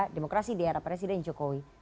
demokrasi di era presiden jokowi